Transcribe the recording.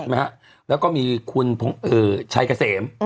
ใช่ไหมฮะแล้วก็มีคุณชายเกษมอืม